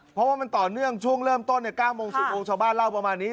เพราะว่ามันต่อเนื่องช่วงเริ่มต้น๙โมง๑๐โมงชาวบ้านเล่าประมาณนี้